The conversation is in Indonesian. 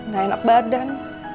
gak enak badan